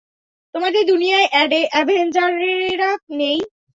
তোমাদের দুনিয়ায় অ্যাভেঞ্জারেরা নেই?